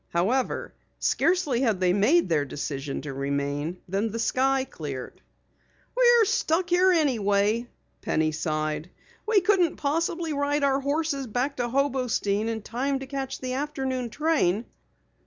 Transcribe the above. However, scarcely had they made their decision to remain, than the sky cleared. "We're stuck here anyway," Penny sighed. "We couldn't possibly ride our horses back to Hobostein in time to catch the afternoon train."